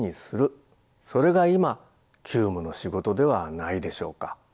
それが今急務の仕事ではないでしょうか。